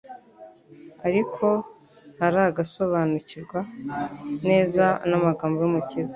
Ariko ntaragasobamikirwa neza n'amagambo y'Umukiza.